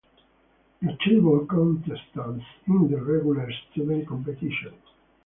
Notable contestants in the regular student competition.